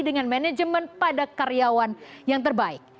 dengan manajemen pada karyawan yang terbaik